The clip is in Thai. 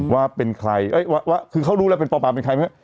ว่าเป็นใครว่าคือเขารู้แล้วเป็นปอปาเป็นใครไหม